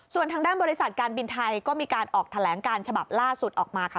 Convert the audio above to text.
ส่วนทางด้านบริษัทการบินไทยก็มีการออกแถลงการฉบับล่าสุดออกมาค่ะ